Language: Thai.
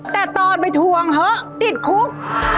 แต่ตอนไปทวงเถอะติดคุก